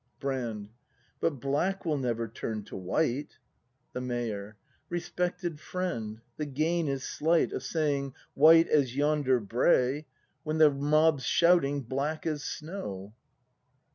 Brand. But black will never turn to white! The Mayor. Respected friend, the gain is slight Of saying: "White as yonder brae," When the mob's shouting: "Black as snow!"